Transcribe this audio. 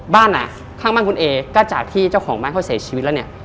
บ้านอ่ะข้างบ้านคุณเอก็จากที่เจ้าของบ้านเขาเสียชีวิตแล้วเนี่ย